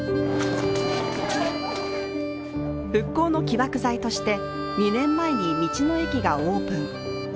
復興の起爆剤として、２年前に道の駅がオープン。